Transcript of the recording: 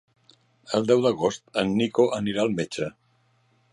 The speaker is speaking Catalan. El deu d'agost en Nico anirà al metge.